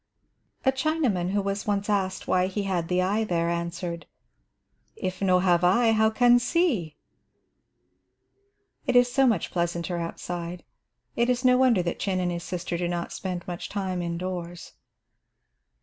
A Chinaman who was once asked why he had the eye there, answered, "If no have eye, how can see?" It is so much pleasanter outside, it is no wonder that Chin and his sister do not spend much time indoors.